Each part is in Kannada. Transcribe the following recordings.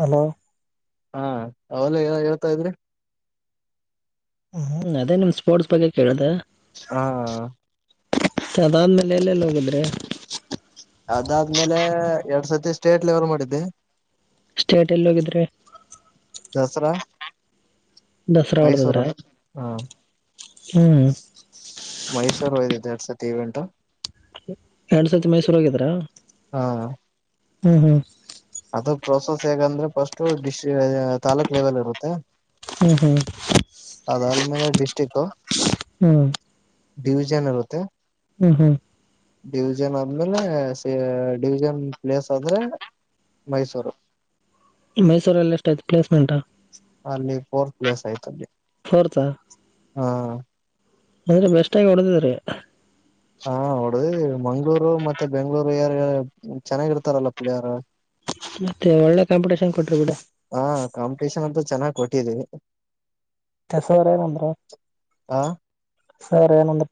ಹಲೋ. ಹಾ ಅವಲ್ಲ ಹೇಳ್ತಾ ಇದ್ರಿ. ಅದೇ ನಿಮ ಸ್ಪೋರ್ಟ್ಸ್ ಬಗ್ಗೆ ಕೇಳಿದೆ. ಹಾ. ಸದಾದ್ಮೇಲೆ ಎಲ್ಲೆಲ್ಲಿ ಹೋಗಿದ್ರೆ. ಅದಾದ್ಮೇಲೆ ಎರಡ್ ಸತಿ ಸ್ಟೇಟ್ ಲೆವೆಲ್ ಮಾಡಿದ್ದೆ. ಸ್ಟೇಟ್ ಎಲ್ಲಿ ಹೋಗಿದ್ರಿ. ದಸರಾ. ದಸರಾ ಹೊಡ್ದದ್ರ ಮೈಸೂರು ಹ ಹ್ಮ್. ಮೈಸೂರ್ ಹೋದಿದ್ದ ಎರಡ ಸತಿ ಈ ಇವೆಂಟ್. ಎರಡ್ ಸರತಿ ಮೈಸೂರು ಹೋಗಿದ್ರಾ ಹ್ಮ್ ಹ್ಮ್. ಅದ ಪ್ರೋಸೆಸ್ ಹೇಗಂದ್ರೆ ಫಸ್ಟು ಡಿಸ್ಟ್ರಿಕ ತಾಲ್ಲೂಕ್ ಲೆವೆಲ್ ಇರುತ್ತೆ. ಹ್ಮ್ ಹ್ಮ್. ಅದ ಅದಲ್ಮೇ ಡಿಸ್ಟಿಕ್. ಹ್ಮ. ಡಿವಿಜನ್ ಇರುತ್ತೆ. ಹ್ಮ್ ಹ್ಮ್. ಡಿವಿಜನ್ ಆದ್ಮೇಲೆ ಡಿವಿಜನ್ ಪ್ಲೇಸ್ ಅಂದ್ರೆ. ಮೈಸೂರು. ಮೈಸೂರಲ್ಲಿ ಎಷ್ಟು ಆಯ್ತು ಪ್ಲೇಸ್ಮೆಂಟ್. ಅಲ್ಲಿ ಫೋರ್ತ್ ಪ್ಲೇಸ್ ಆಯ್ತ. ಫೋರ್ತ್. ಹಾ. ಅಂದ್ರೆ ಬೆಸ್ಟಗಿ ಹೊಡದಿದ್ರೀ. ಹಾ ನೋಡುದ ಮಂಗ್ಳೂರು ಮತ್ತೆ ಬೆಂಗ್ಳೂರು ಯಾರ ಚೆನ್ನಾಗಿರ್ತಾರಲ್ಲ ಪುಳ ಯಾರ. ಮತ್ತೆ ಒಳ್ಳೆ ಕಾಂಪಿಟೇಷನ್ ಕೊಟ್ರ ಬಿಡ. ಚೆನ್ನಾಗ ಕೊಟ್ಟಿದೀವಿ. [unintelligible] ಹಾ. ಸರಿ ಏನಂದ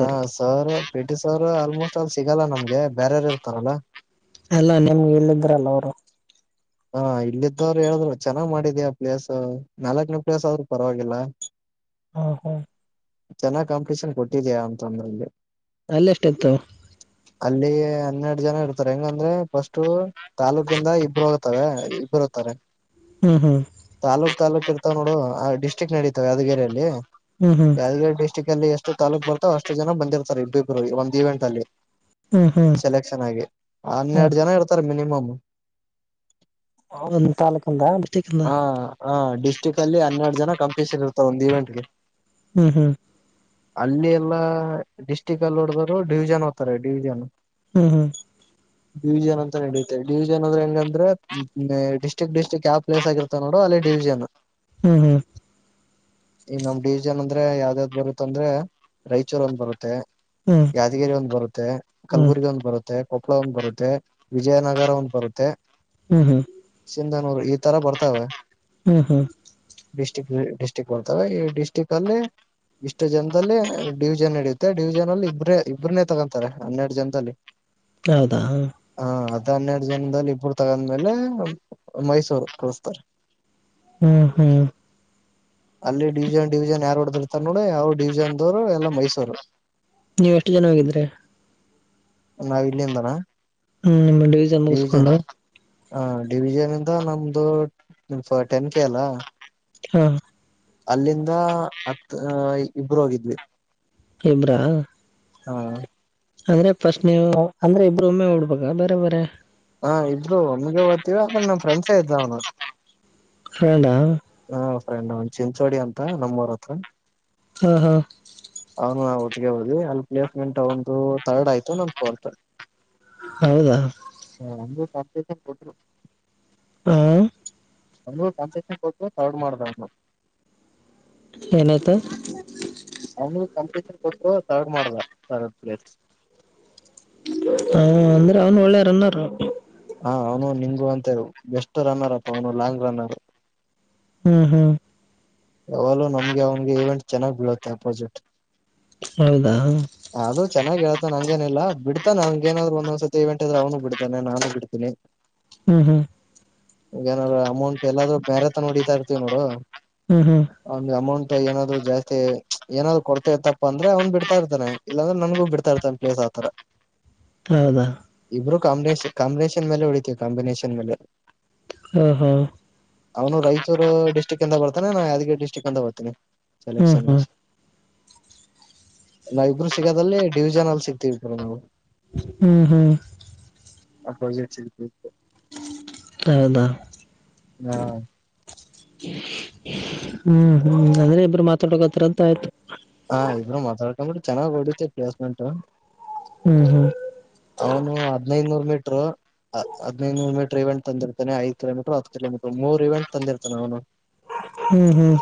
ಹ sir P T sir almost ಅಲ್ಲಿ ಸಿಗಲ್ಲ ನಮ್ಗೆ ಬೇರಾರ ಇರ್ತಾರಲ್ಲ. ಅಲ್ಲ ನಿಮ್ಗೆ ಇಲ್ಲ ಇದ್ರಲ್ಲ ಅವರು. ಹಾ ಇಲ್ಲಿದ್ದವ್ರು ಹೇಳ್ರು ಚೆನ್ನಾಗ್ ಮಾಡಿದಿ ಆ ಪ್ಲೇಸ್ ನಾಲ್ಕನೇ ಪ್ಲೇಸ್ ಆದ್ರರು ಪರವಾಗಿಲ್ಲ. ಹ ಹಾ. ಚೆನ್ನಾಗ್ ಕಾಂಪಿಟೇಷನ್ ಕೊಟ್ಟಿದಯಾ ಅಂತ ಅಂದ್ರು. ಅಲ್ಲ ಎಷ್ಟ ಇತ್ತು. ಅಲ್ಲಿ ಹನ್ನೆರಡು ಜನ ಇರ್ತಾರೆ ಹೆಂಗಂದ್ರೆ ಫಸ್ಟ್ ತಾಾಲೂಕಿಂದ ಇಬ್ಬ್ರ [unintelligible] ಹ್ಮ್ ಹ್ಮ್. ತಾಲೂಕ್ ಇರ್ತಾವ ನೋಡು ಆ ಡಿಸ್ಟಿಕ್ ನಡತಾವ ಯಾದಗಿರಿಯಲ್ಲಿ ಹ್ಮ್ ಹ್ಮ್ ಯಾದಗಿರ ಡ್ಟಿಕ್ ಅಲ್ಲಿ ಎಷ್ ಎಷ್ಟ ತಾಲೂಕ್ ಬರ್ತ ಅಷ್ಟ ಜನ ಬಂದಿರ್ತ ಇಬ್ಬಬ್ರು ಒಂದ ಇವೆಂಟ್ ಅಲ್ಲಿ. ಹ್ಮ್ ಹ್ಮ್ ಸೆಲೆಕ್ಷನ್ ಆಗಿ ಹ್ಮ್ ಹನ್ನೆರಡು ಜನ ಇರ್ತಾರೆ ಮಿನಿಮಮ್. ಒಂದ್ ತಾಲೂಕಿಂದ ಡಿಸ್ಟಿಕ್ ಇಂದ. ಹ ಹ ಡಿಸ್ಟಿಕ್ ಅಲ್ಲಿ ಹನ್ನೆರಡು ಜನ ಕಂ ಸ್ಪೆಷಲ್ ಇರ್ತಾ ಒಂದು ಇವೆಂಟ್ಗೆ. ಹ್ಮ್ ಹ್ಮ್. ಅಲ್ಲಿ ಎಲ್ಲಾ ಡಿಸ್ಟ್ರಿಕ್ ಅಲ್ಲಿ ನೋಡದ್ರು ಡಿವಿಜನ್ ಹೋಗ್ತಾರೆ ಡಿವಿಜನ್. ಹ್ಮ್ ಹ್ಮ್. ಡಿವಿಜನ್ ಅಂತ ನಡೀುತ್ತೆ ಡಿವಿಜನ್ ಅಂದ್ರೆ ಹೆಂಗ ಅ್ರ ಡಿಸ್ಟ್ರಿಕ್ ಡಿಸ್ಟ್ರಿಕ್ ಯಾವ ಪ್ಲೇಸ್ ಆಗಿರ್ತೋ ನೋ ಅಲ್ಲಿ ಡಿವಿಜನ್. ಹ್ಮ್ ಹ್ಮ್. ಈ ನಮ ಡಿವಿಜನ್ ಅಂದ್ರೆ ಯಾವ್ದ್ಯ್ದ್ ಬರುತ್ತ ಅಂದ್ರೆ ರಾಯಚೂರ್ಂದ್ ಬರುತ್ತೆ. ಹ್ಮ್ ಯಾದಗಿರಿ ಒಂದ್ ಬರುತ್ತೆ ಹ್ಮ್ ಕಲಬುರ್ಗಿ ಒಂದ್ ಬರುತ್ತೆ. ಕೊಪ್ಪಳ ಒಂದ್ ಬರುತ್ತೆ ವಿಜಯನಗರ ಒಂದ್ ಬರುತ್ತೆ. ಹ್ಮ್ ಹ್ಮ್. ಸಿಂದನೂರು ಈ ತರ ಬರ್ತಾವ. ಹ್ಮ್ ಹ್ಮ್. ಡಿಸ್ಟಿಕ್ ಡಿಸ್ಟಿಕ್ ಕೊಡ್ತವೆ ಈ ಡಿಸ್ಟಿಕ್ ಅಲ್ಲಿ. ಇಷ್ಟು ಜನದಲ್ಲಿ ಡಿವಿಜನ್ ನಡಿಯುತ್ತೆ ಡಿವಿಜನ್ ಅಲ್ಲಿ ಇಬ್ರೇ ಇಬ್ಬ್ರನೆೇ ತಗೊಂತಾರೆ ಹನ್ನೆರಡು ಜನದಲ್ಲಿ. ಹೌದಾ. ಹ ಅದ್ ಹನ್ನೆರಡು ಜನದಲ್ಲಿ ಇಬ್ಬರು ತಗಂದ್ಮೇಲೆ ಮೈಸೂರು ಕಳಸ್ತಾರ. ಹ್ಮ್ ಹ್ಮ್ ಅಲ್ಲಿ ಡಿವಿಜನ್ ಡಿವಿಜನ್ ಯಾರಡ್ ಅದ್ರ ತ ನೋಡ ಯಾವ ಡಿವಿಜನ್ ದವರು ಎಲ್ಲ ಮೈಸೂರು. ನೀ್ ಎಷ್ಟು ಜನ ಹೊಗಿದ್ರೆ. ನಾವ ಇಲ್ಲಿಂದನಾ. ಹ್ಮ್ ಡಿವಿಷನ್ ಮುೂಸ್ಕೊಂಡು. ಹ ಡಿವಿಜನ್ ಇಂದ ನಮ್ದು ಟೆನ್ ಕೆ ಅಲ್ಲ. ಹಾ. ಅಲ್ಲಿಂದ ಹತ್ ಇಬರು ಹೋಗಿದ್ವಿ. ಇಬ್ರಾ. ಹಾ. ಅಂದ್ರೆ ಫಸ್ಟ್ ನೀವು ಅಂದ್ರೆ ಇಬ್ರು ಒಮ್ಮೆ ಡ್ಬೇಕ ಬೇರೆ ಬೇರೆ. ಹಾ ಇದಬ್ರು ಒಮಗೆ ಹೋಗ್ತಿವಿ ಅಂದ್ರೆ ನಮ ಫ್ರೆಂಡ್ಸೇ ಇದ್ದ ಅವ್ನು. ಫ್ರೆಂಡ್. ಹಾ ಫ್ರೆಂಡ್ ಒನ್ ಚಿಂಚೋಡಿ ಅಂತ ನಮ್ಮೂರ ಹತ್ರ. ಹಾ ಹಾ ಅವನು ನಾವು ಒಟ್ಟಿಗೆ ಹೋದ್ವಿ ಅಲ್ಲಿ ಪ್ಲೇಸ್ಮೆಂಟ್ ಒಂದು ತರ್ಡ್ ಆಯ್ತು ನ ಫೋತ್ ಹೌದಾ ಕೊಟ್ಟರು ಹ ಅವನು ಕಾಂಪಿಟೇಶನ್ ಕೊಟ್ಟು ತಾರ್ಡ್ ಮಾಡ್ದ್ಣ ಏನಾಯ್ತು ಕಂಪಿಟಷನ್ ಕೊಟ್ಟು ತಾರ್ಡ್ ಮಾಡ್ದ ತಾರ್ಡ್ ಪ್ಲೇಸ್ ಹಾ ಅಂದ್ರೆ ಅವನ್ ಒಳ್ಳೆ ರನ್ನರ್ ಹಾ ಅವ್ನು ನಿಂಗು ಅಂತೆ ಎಸ್ ರನ್ನರ್ ಅಪ್ಪ ಅವನು ಲಾಂಗ್ ರನ್ನರ್ ಹ್ಮ್ ಹ್ಮ್ ಯಾವಲೂ ನಮ್ಗೆ ಅವನ್ಗೆ ಈವೆಂಟ್ ಚೆನ್ನ್ ಬೀಳುತ್ತೆ ಅಪೋಸಿಟ್ ಹೌದಾ ಹಾ ಚೆನ್ನಾಗಿ ಹೇಳ್ತಾ ಹಂಗೇನಿಲ್ಲ ಬಿಡ್ತಾನ ಹಂಗ ಏನಾದ್ ಒಂದ್ಸತಿ ಇವೆಂಟ್ ಇದ್ರ ಅವನು ಬಿತಾನ ನಾನು ಬಿಡ್ತೀನಿ ಹ್ಮ್ ಹ್ಮ್ ಈ ಏನಾದ್ರು ಅಮೌಂಟ್ ಎಲ್ಲಾದ್ರು ಬೇರೆ ತ ನ ಹೊಡಿತಾ ಇರ್ತೀವಿ ನೋಡು ಹ್ಮ್ ಹ್ಮ್ ಆ ಅಮೌಂಟ್ ಏನಾದ್ರು ಜಾಸ್ತಿ ಏನಾದ್ರು ಕೊಡ್ತ ಇತ್ತಪ್ಪ ಅಂದ್ರೆ ಅವ್ನು ಬಿಡ್ತಾ ಇತಾನೆ ಇಲ್ಲಾರೆ ನನ್ಗ ಬಿಡ್ತ ಇರ್ತಾನ ಪ್ಲಸ್ [inaudible] ಹೌದಾ ಕಾಂಬಿನೇನ್ ಕಾಂಬಿನೇಷನ್ ಮೇಲೆ ಉಳಿತೀವಿ ಕಾಂಬಿನೇಷನ್ ಮೇಲೆ ಹಾ ಹಾ ಅವನು ರಾಯಚೂರು ಡಿಸ್ಟ್ರಿಕ್ ಇಂದ ಬರ್ತಾನೆ ನಾ ಯಾದಗಿರಿ ಡಿಸ್ಟ್ರಿಕ್ ಇಂದ ಬರ್ತನಿ ಹ್ಮ್ ಸೆಲೆಕ್ಷನ್ ಹ್ಮ್ ನಾವಿಬರು ಸಿಗಾದಲ್ಲಿ ಡಿವಿಜನ್ ಅಲ್ಲಿ ಸಿಗ್ತೀವಿ ಇಬರು ನಾವು ಹ್ಮ್ ಹ್ಮ್ ಅಪೋಸಿಟ್ ಸಿಕ್ತೀವಿ ಹೌದಾ ಹ್ಮ ಹ್ಮ್ ಹ್ಮ್ ಅಂದ್ರೆ ಇಬ್ಬರು ಮಾತಾಡಕೋತರದ ಆಯ್ತು ಅಂದ್ರೆ ಚೆನ್ನಾಗಿ ಹೊಡಿತೀವಿ ಪ್ಲೇಸ್ಮೆಂಟ್ ಹ್ಮ್ ಹ್ಮ್ ಅವನು ಹದ್ನೈದನೂರ್ ಮೀಟ್ರು ಹದಿನೈದು ನೂರು ಮೀಟರ್ ಇವೆಂಟ್ ತಂದಿತಾನೆ ಐದು ಕಿಲೋಮೀಟರ್ ಹತ್ತು ಕಿಲೋಮೀಟರ್ ಮೂರ್ವೆಂಟ್ ತಂದಿರ್ತಾನ ಅವನು ಹ್ಮ್ ಹ್ಮ್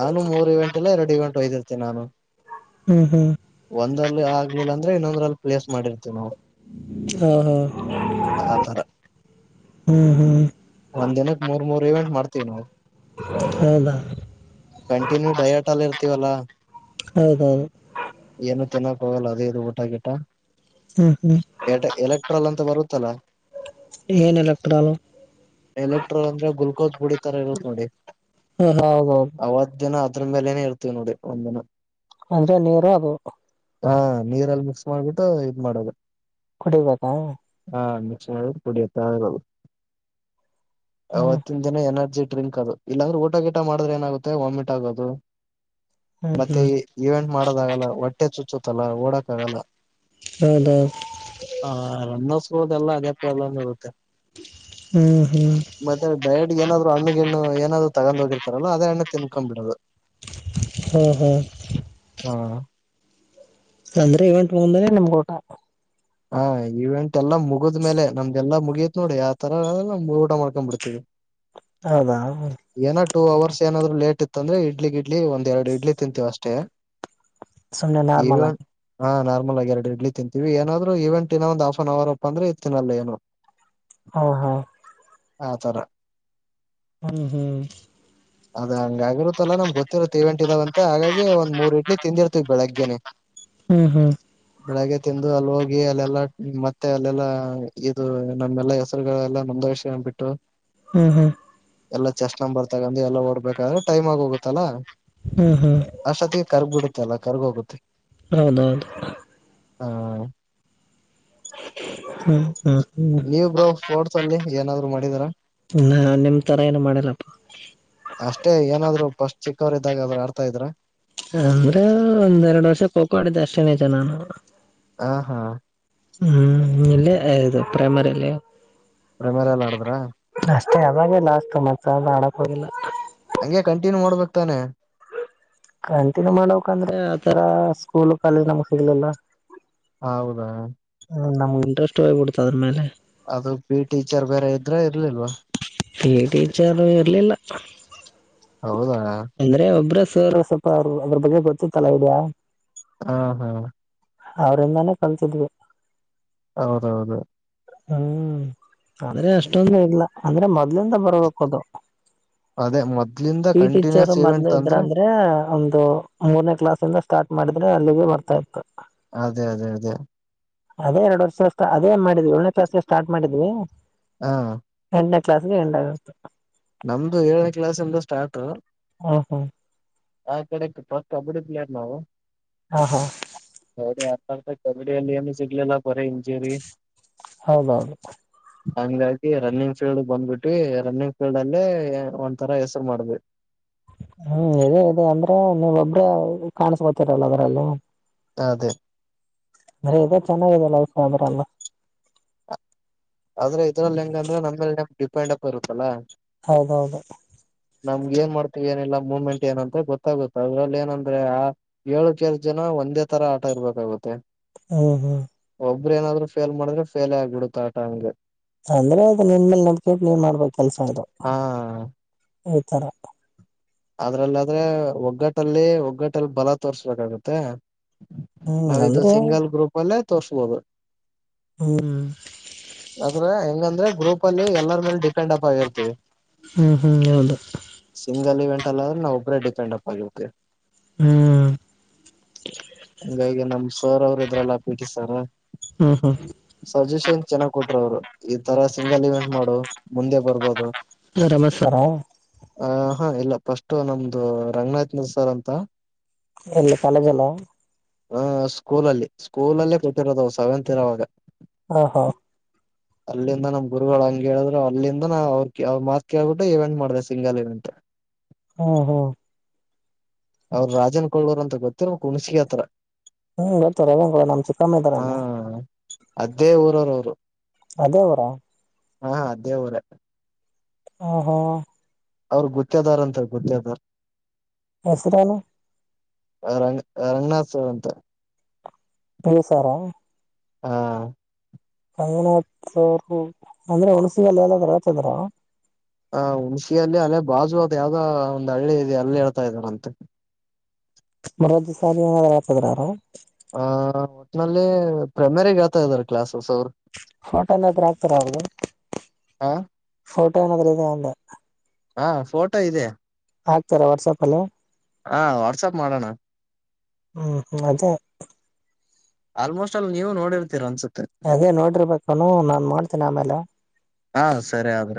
ನಾನು ಮೂರ್ ಇವೆಂಟ್ ಇಲ್ಲ ಎರಡು ಇವೆಟ್ದ್ದರ್ತೀನಿ ನಾನು ಹ್ಮ್ ಹ್ಮ್ ಒಂದಲ್ಲಿ ಆಗ್ಲಿಲ್ಲ ಅಂದ್ರೆ ಇನ್ನೊಂದ್ರಲ್ಲಿ ಪ್ಲೇಸ್ ಮಾಡಿರ್ತಿೇವಿ ನಾವು ಹ ಹಾ ಆತರ ಹ್ಮ್ ಹ್ಮ್ ಒಂದ್ ದಿನಕ್ ಮೂರ್ ಮೂರ್ ಇವೆಂಟ್ ಮಾಡ್ತೀವಿ ನಾವು ಹೌದಾ ಕಂಟಿನ್ಯೂ ಡಯಟ್ ಅಲ್ಲ ಇರ್ತೀವಲ್ಲಾ ಹೌದೌದು ತಿನ್ನಾ ಹೋಗಲ್ಲ ಅದೇ ಇದು ಊಟ ಗಿಟ ಹ್ಮ್ ಹ್ಮ್ ಎಲೆಕ್ ಎಲೆಕ್ಟ್ರಾಲ್ ಅಂತ ಬರುತ್ತಲ್ಲ ಏನ್ ಎಲೆಕ್ಟ್ರಾಲ ಎಲೆಕ್ಟ್ರೋಲ್ ಅಂದ್ರೆ ಗ್ಲುಕೋಸ್ ಬುಡಿತರ ಇರುತ್ತತ್ ನೋಡಿ ಹ್ಮ ಹೌ ಹೌದು ಅವತ್ ದಿನ ಅದ್ರ ಮೇಲೆೇನೇ ಇರ್ತತಿವಿ ನೋಡಿ ಒಂದ್ ದಿನ ಅಂದ್ರೆ ನೀರು ಅದು ಹಾ ನೀರಲ್ಲಿ ಮಿಕ್ಸ್ ಮಾಡ್ಬಿಟ್ಟು ಇದ್ ಮಾಡೋದು ಕುಡಿಬೇಕಾ ಹಾ ಕುಡಿತಾ ಇರೋದು ಹ್ಮ್ ಅವವತ್ತಿನ ದಿನ ಏನಾರ ಜ ಡ್ರಿಂಕ್ ಅದು ಇಲ್ಲಾಂದ್ರೆ ಊಟ ಗೀಟ ಮಾಡಿದ್ರ ಏನಾಗುತ್ತೆ ವಾಮಿಟ್ ಆಗೋದು ಹ್ಮ್ ಮತ್ತೆ ಹ್ಮ್ ಇವೆಂಟ್ ಮಾಡೋದಾಗಲ್ಲ ಹೊಟ್ಟೆ ಚುಚ್ಚತ್ತಲ್ಲ ಓಡಕ ಆಗಲ್ಲ ಹೌದೌದು ಹ ರನ್ನ ಸ್ಕೂಲ್ದೆಲ್ಲಾ ಅದೇ ಪ್ರಾಬ್ಲಮ್ ಇರುತ್ತೆ ಹ್ಮ್ ಹ್ಮ್ ಮತ್ತೆ ಡಯಟ್ ಏನಾದ್ರು ಹಣ್ಣಗೆಣು ಏನಾದ್ರು ತಗೊಂಡ್ ಹೋಗಿರ್ತಾರಲ್ಲ ಅದ ಹಣ್ಣ ತಿನ್ಕೊ ಬಿಡೋದು ಹಾ ಹಾ ಅಂದ್ರೆ ಇವೆಂಟ್ ಮುಂದನನೆ ನಿಮ್ಗ ಊಟ ಹಾ ಈವೆಂಟ್ ಎಲ್ಲಾ ಮುಗುದ್ಮೇಲೆ ನಮ್ಗೆಲ್ಲ ಮುಗತ್ ನೋಡಿ ಆತರ ನಮ್ ಊಟ ಮಾಡ್ಕೊಂಡ್ ಬಿಿಡ್ತೀವಿ ಹೌದಾ ಏನ ಟೂ ಅವರ್ಸ್ ಏನಾದ್ರು ಲೇಟ್ ಇತ್ತ ಅಂದ್ರೆ ಇಡ್ಲಿ ಗ ಇಡ್ಲಿ ಒಂದ್ ಎರಡು ಇಡ್ಲಿ ತಿಂತೀವ ಅಷ್ಟೇ ಸುಮ್ನೆ ನಾರ್ಮಲ್ ಈವನ್ ಆಗಿ ಹಾ ಎರಡು ಇಡ್ಲಿ ತಿಂತೀವಿ ಏನಾದ್ರು ಇವೆಂಟ್ ಇನ್ನ ಒಂದ್ ಆಫ್ನ್ ಅವರ್ ಅಪ್ಪ ಅಂದ್ರೆ ಇ ತಿನ್ನಲ್ಲ ಏನು ಹಾ ಹಾ ಆ ತರ ಹ್ಮ್ ಹ್ಮ್ ಅದ ಹಂಗಾಗಿರುತ್ತಲ್ಲ ನಮ್ ಗೊತ್ತಿರುತ್ತೆ ಇವೆಂಟ್ ಇದಾವ ಅಂತ ಹಾಗಾಗಿ ಒಂದ್ ಮೂರ್ ಇಡ್ಲಿ ತಿಂದಿರ್ತವಿ ಬೆಳಗ್ಗೆೇನೆ ಹ್ಮ್ ಹ್ಮ್ ಬೆಳಗ್ಗೆ ತಿಂದು ಅಲ್ ಹೋಗ್ ಹಾಗ ಅಲ್ಲೆಲ್ಲಾ ಮತ್ತೆ ಅಲ್ಲೆಲ್ಲಾ ಇದು ನಮ್ಮೆಲ್ಲಾ ಹೆಸರುಗಳೆಲ್ಲಾ ನೊಂದಾಯಿಸ್ಕೊ ಬಿಟ್ಟು ಹ್ಮ್ ಹ್ಮ್ ಎಲ್ಲಾ ಚೆಸ್ಟ್ ನಂಬರ್ ತಗೊಂಡು ಎಲ್ಲ ಓಡ್ಬೇಕಾದ್ರೆ ಟೈಮ್ ಆಗ ಹೋಗುತ್ತಲ್ಲಾ ಹ್ಮ್ ಹಾ ಅಷ್ಟೊತ್ತಿಗೆ ಕರ್ಗ್ ಬಿಡುತ್ತೆ ಅಲ್ಲ ಕರ್ಗ್ ಹೋಗುತ್ತೆ ಹೌದೌದು ಹಾ ಹ್ಮ ಹ್ಮ ಹ್ಮ್ ಲ್ಲಿ ಏನಾದ್ರು ಮಾಡಿದರಾ ನಾ ನಿಮ್ ತರ ಏನು ಮಾಡಿಲ್ಲಪ್ಪ ಅಷ್ಟೇ ಏನಾದ್ರು ಪಶ್ಚಿಕ್ಕ ಇದಾಗಾದ್ರ ಆಡ್ತಾ ಇದ್ರ ಅಂದ್ರೆ ಒಂದೆರಡು ವರ್ಷ ಖೋ ಆಡಿದ್ದೆ ಅಷ್ಟೇ ನಾನು ಹ ಹಾ ಹ್ಮ್ ಇಲ್ಲೆ ಅದು ಪ್ರೇಮರಿಯಲಿ ಪ್ರೈಮರಿಯಲ್ಲಿ ಆಡದ್ರ ಅಷ್ಟೇ ಅವಾಗೆ ಲಾಸ್ಟ್ ಮತ್ತ್ ಯಾವುದು ಆಡಕ್ ಹೋಗಿಲ್ಲ ಹಗೆ ಕಂಟಿನ್ಯೂ ಮಾಡ್ಬೇಕಕ್ ತಾನೆ ಕಂಟಿನ್ಯೂ ಮಾಡೋಕ್ ಅಂದ್ರೆ ಆತರ ಸ್ಕೂಲ್ ಕಾಲೇಜ್ ನಮಗ್ ಸಿಗ್ಲಿಲ್ಲ ಹೌದಾ ಬಿಡ್ತದ ಮೇಲೆ ಅದು ಪಿ ಟೀಚರ್ ಬೇರೆ ಇದ್ರ ಇರ್ಲಿಲ್ವಾ ಟೀಚರ್ ಇರ್ಲಿಲ್ಲ ಹೌದಾ ಸೇರ್ ಸ್ವಲ್ಪ ಅವರು ಅದ್ರ ಬಗ್ಗೆ ಗೊತ್ತಿತಲಾ ಐಡಿಯಾ ಹಾ ಹಾ ಅವ್ರಂದಾನೇ ಕಲ್ತಿದ್ವಿ ಹೌದೌದು ಹ್ಮ್ ಆದ್ರೆ ಅಷ್ಟೊಂದ ಇಲ್ಲ ಅಂದ್ರೆ ಮೊದ್ಲಿಂದ ಬರ್ಬೇಕ ಅದು ಅದೇ ಮೊದ್ಲಿಂದ ಪಿಟಿ ಟಿಚರ್ ಕಂಟಿನ್ಯೂಸ್ ಮೊದ್ಲು ಇವೆಂಟ್ ಇದ್ರ ಅಂದ್ರೆ ಒಂದು ಮೂರನೇ ಕ್ಲಾಸ್ಲ್ಲ ಸ್ಟಾರ್ಟ್ ಮಾಡಿದ್ರೆ ಅಲ್ಲಿಗೆ ಬರ್ತಾ ಇತ್ತು ಅದೇ ಅದೇ ಅದೇ ಅದೇ ಎರಡ್ ವರ್ಷದ ಅದೇ ಮಾಡಿದ್ವಿ ಏಳನೇ ಕ್ಲಸ್ಗೆ ಸ್ಟಾರ್ಟ್ ಮಾಡಿದ್ವಿ ಹಾ ಕ್ಲಾಸ್ಸಿಗೆ ನಮ್ದು ಏಳನೇ ಕ್ಲಾಸ್ದ ಸ್ಟಾರ್ಟು ಹಾ ಹಾ ಆ ಕಡೆ ಕಬಡ್ಡಿ ಪ್ಲೇಯರ್ ನಾವು ಹಾ ಹಾ ತ ಕಬಡ್ಡಿ ಅಲ್ಲಿ ಅನು ಸಿಗ್ಲಲ್ಲ ಬರ ಇಂಜುರಿ ಹೌದೌದು ಹಂಗಾಗಿ ರನ್ನಿಂಗ್ ಫೀಲ್ಡ್ ಬಂದ್ಬಿಟ್ಟವಿ ರನ್ನಿಂಗ್ ಲ್ಲೇ ಒಂತರ ಹೆಸ್ರು ಮಾಡಬೇಕ ಹ್ಮ್ ಇದೇ ಇದೆ ಅಂದ್ರೆ ನೀವ ಒಬ್ರೇ ಕಾಣಸ್ಬೊತ್ತರಲ್ಲ ಅದ್ರಲ್ಲಿ ಅದೇ ಅಂದ್ರೆ ಇ ಚೆನ್ನಾಗಿದೆ ಲೈಫ ಅ್ರಲ್ಲ ಪ್ಪಂಡಪ್ಪ ಇರುತ್ತಲ್ಲಾ ಹೌದೌದು ನಮ್ಗ್ ಏನ್ ಮಾಡ್ತವಿ ಏನಿಲ್ಲ ಮೂವ್ಮೆಂಟ್ ಏನಂತ ಗೊತ್ತಾಗುತ್ತೆ ಅದ್ರಲ್ಲಿ ಏನಂದ್ರೆ ಆ ಏಳು ಕೆಸ್ ಜನ ಒಂದೇ ತರ ಆಟ ಇರ್ಬೇಕಾಗುತ್ತೆ ಹ್ಮ ಹ್ಮ್ ಒಬ್ಬರು ಏದ್ರು ಫೇಲ್ ಮಾಡ್ರೆ ಫೇ ಆಗ್ಬ ಬಿಡುತ್ತ ಆಟ ಹಂ ಅಂದ್ರೆ ಅದು ನಿನ್ಲೆ ನಡ್ಕ ನೀನ್ ಮಾಡ್ಬೇಕ ಕೆಲ್ಸ ಇದು ಹಾ ಈ ಥರ ಅದ್ರಲ್ಲಾದ್ರೆ ಒಗ್ಗಟ್ಟಲ್ಲಿ ಒಗ್ಗಟ್ಟಲ್ಲಿ ಬಲ ತೋರ್ಸ್ಬೇಕಾಗತ್ತೆ ಹ್ಮ್ ನಾವಿದದು ಅಂದ್ರೆ ಸಿಂಗಲ್ ಗ್ರೂಪ್ ಅಲ್ಲೇ ತೋರ್ಸ್ಬೋದು ಹ್ಮ್ ಹಂಗಂದ್ರೆ ಗ್ರೂಪ್ ಅಲ್ಲಿ ಎಲ್ಲರ ಮೇಲೆ ಡಿಪೆಂಡ್ ಅಪ್ ಆಗಿರ್ತೀವಿ ಹ್ಮ್ ಹ್ಮ್ ನದ ಲ್ಲ್ರ ನಾ ಒಬ್ಡಿಪೆಂಡ್ ಅೆ ಹ್ಮ್ ಹಂಗಗೆ ನಮ್ ಸರ್ ಅವ್ರ ಇದ್ರಲ್ಲ ಹಾಕ್ಬಿಟ್ಟ ಸರ ಹ್ಮ್ ಹ್ಮ್ ಸಜೆಷನ್ ಚೆನ್ನಾಗ್ ಕೊಟ್ರ ಅವ್ರು ಈ ತರ ಸಿಂಗಲ್ ಇವೆಂಟ್ ಮಾಡು ಮುಂದೆ ಬರ್ಬೋದು ರಮಸ್ವಾರ ಆ ಹಾ ಇಲ್ಲ ಫಸ್ಟ್ ನಮ್ದು ರಂಗನಾಥಥನಂದ ಸರ್ ಅಂತ ಎಲ್ಲಿ ಕಾಲೇಜ ಎಲ್ಲ ಹ ಸ್ಕೂಲಲ್ಲಿ ಸ್ಕೂಲಲ್ಲೇ ಕೊಟ್ಟಿರೋದು ಸೆವೆಂತ್ ಇರೋವಾಗ ಹಾ ಹಾ ಅಲ್ಲಿಂದ ನಮ್ ಗುರುಗಳು ಹಂಗ ಹೇಳಿದ್ರು ಅಲ್ಲಿಂದ ಅವ್ರ ಅವ್ ಮಾತತ್ ಕೇಳ್ಬಿಟ್ಟು ಇವೆಂಟ್ ಮಾಡಿದೆ ಸಿಂಗಲ್ ಇವೆಂಟ್ [unintelligible] ಹಾ ಹಾ ಅವ್ರ ರಾಜನ್ ಕೊಳರ್ ಅಂತ ಗೊತ್ತಿರ್ ಕುಣಸಗ ಹತ್ರ ಹ್ಮ್ ಬತ್ತು ರ ಕೊಡ ನಮ್ಮ ಚಿಕಾ ಮಾಡ ಇದ್ದಾರೆಲ್ಲ ಅದ್ದೇ ಊರರ ಅವರು ಅದೇ ಅವರಾ ಹಾ ಅದೇ ಊರ ಹ ಹಾ ಅವ್ರ ಗತ್ಯದಾರ ಅಂತ ಗತ್ಯದಾರ್ ಹೆಸರೇನು ರಂಗ್ ರಂಗನಾಥ್ ಸರ್ ಅಂತ ಹಸಾರ ಹಾ ರಂಗನಾಥ ಅವರು ಅಂದ್ರೆ ಹುಣಸಿಗೆಲ್ಲ ಎಲ್ಲಾದರು ರಾಜಂದ್ರ ಹ ಹುಣ್ಸಲ್ಲಿ ಅಲ್ಲೇ ಬಾಜು ಅದು ಯಾವ್ದ ಒಂದ್ ಹಳ್ಳಿ ಇದೆ ಅಲ್ಲಿ ಹೇಳ್ತಾ ಇದ್ದಾರಂತೆ [inaudible] ಸಾಲಿ ಏ್ ಹಳ್ತದ್ರಾರ ಆ ಒಟ್ನಲ್ಲಿ ಪ್ರೈಮರಿಗ್ ಆತಾ ಇದಾರೆ ಕ್ಲಾಸ್ ಫೋಟೋ ಎಲ್ಲಾದ್ರ ಆಗ್ತಾರ ಅವದು ಹ ಫೋ ದ ಅಂತ ಹಾ ಫೋಟೋ ಇದೆ ಆಾಗ್ತಾರಾ ವಾಟ್ಸಾಪ್ ಅಲ್ಲ ಹಾ ವಾಟ್ಸಪ್ ಮಾಡೋಣ ಹ್ಮ್ ಹ್ಮ್ ಅದೇ ಆಲ್ಮೋಸ್ಟ್ ಅಲ್ಲಿ ನೀವು ನೋಡಿರ್ತಿೀರ ಅನ್ಸುತ್ತೆ ಅದೇ ನೋಡ್ರಿಬೇಕ ನಾನ್ ಮಾಡೋಡ್ತೇನ ಆಮೇಲೆ ಹಾ ಸರಿ ಆದ್ರೆ